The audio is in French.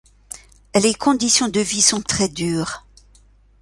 Les conditions de vie sont très dures.